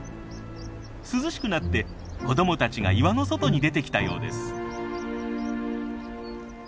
涼しくなって子どもたちが岩の外に出てきたようです。